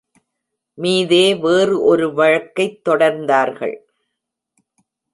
மீதே வேறு ஒரு வழக்கைத் தொடர்ந்தார்கள்.